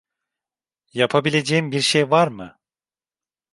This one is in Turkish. Yapabileceğim bir şey var mı?